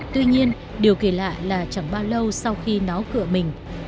tuy nhiên điều kỳ lạ là chẳng bao lâu sau khi nó cửa mình